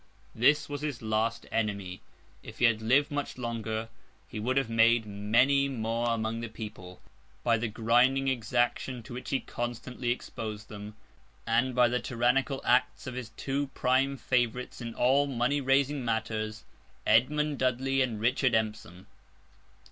This was his last enemy. If he had lived much longer he would have made many more among the people, by the grinding exaction to which he constantly exposed them, and by the tyrannical acts of his two prime favourites in all money raising matters, Edmund Dudley and Richard Empson.